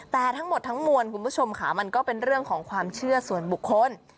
แต่ทั้งหมดทั้งมวลคุณผู้ชมค่ะมันก็เป็นเรื่องของความเชื่อส่วนบุคคล